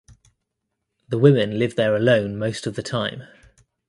The women there live alone most of the time.